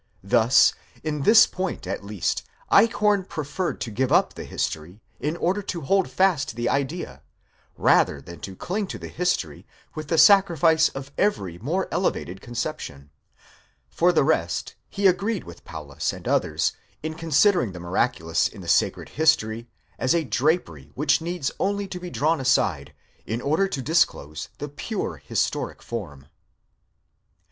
Thus, in this point at least, Eichhorn preferred to give up the history in order to hold fast the idea, rather than to cling to the history with the sacrifice of every more elevated conception. For the rest, he agreed with Paulus and others in considering the miraculous in the sacred history as a drapery which needs only to be drawn aside, in order to disclose the pure historic form.